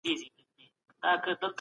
موږ د سياست په اړه نوي حقايق څېړلي دي.